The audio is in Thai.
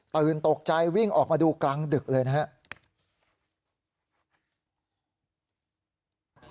ตื่นตกใจวิ่งออกมาดูกลางดึกเลยนะครับ